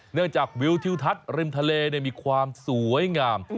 จากวิวทิวทัศน์ริมทะเลมีความสวยงาม